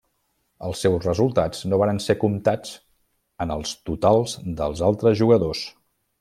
Els seus resultats no varen ser comptats en els totals dels altres jugadors.